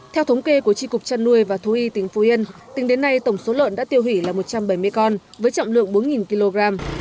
theo thống kê của tri cục chăn nuôi và thú y tỉnh phú yên tính đến nay tổng số lợn đã tiêu hủy là một trăm bảy mươi con với trọng lượng bốn kg